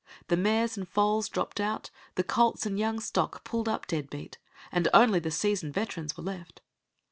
The mares and foals dropped out, the colts and young stock pulled up dead beat, and only the seasoned veterans were left.